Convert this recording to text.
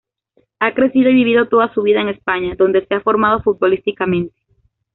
Ha crecido y vivido toda su vida en España, donde se ha formado futbolísticamente.